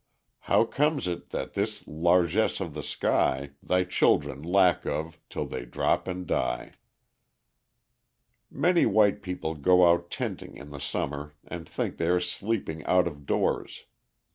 How comes it that this largess of the sky Thy children lack of, till they droop and die? Many white people go out tenting in the summer and think they are sleeping out of doors.